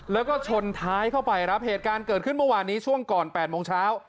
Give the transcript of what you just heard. แล้วก็ชนท้ายเข้าไปครับเหตุการณ์เกิดขึ้นเมื่อวานนี้ช่วงก่อน๘โมงเช้า